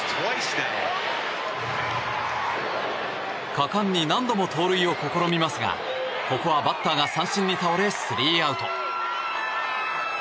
果敢に何度も盗塁を試みますがここはバッターが三振に倒れスリーアウト。